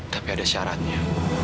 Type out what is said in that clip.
tapi ada syaratnya